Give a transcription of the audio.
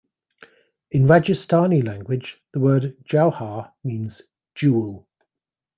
In Rajasthani language, the word "jauhar" means "jewel".